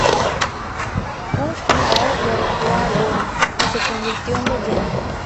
Kung Lao derrotó a Goro y se convirtió en leyenda.